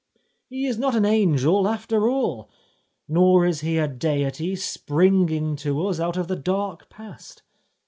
He is not an angel after all ! Nor is he a deity springing to us out of the dark past.